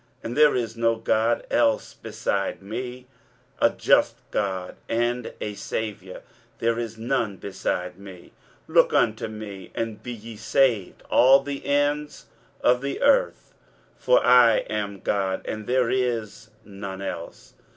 and there is no God else beside me; a just God and a Saviour; there is none beside me. 23:045:022 Look unto me, and be ye saved, all the ends of the earth: for I am God, and there is none else.